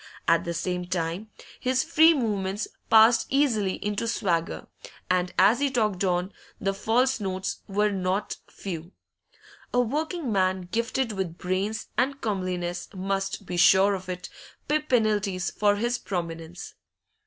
At the same time, his free movements passed easily into swagger, and as he talked on, the false notes were not few. A working man gifted with brains and comeliness must, be sure of it, pay penalties for his prominence.